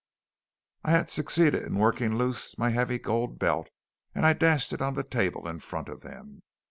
I had succeeded in working loose my heavy gold belt, and I dashed it on the table in front of them.